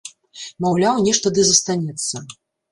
Маўляў, нешта ды застанецца.